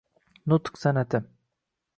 Nutq san’ati